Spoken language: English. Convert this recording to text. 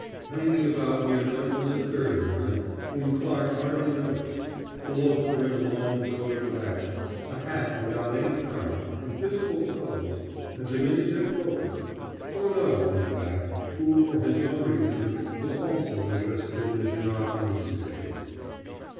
Hanging about near them was a third man, whom Clarke hardly noticed a loafer in a long coat of rags, a hat without any crown, and visible toes a diminutive loafer Furneaux, in fact, who, for his own reasons, was also interested in Janoc in these days.